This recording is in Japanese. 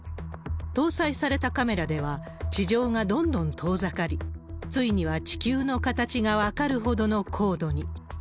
搭載されたカメラでは、地上がどんどん遠ざかり、ついには地球の形が分かるほどの高度に。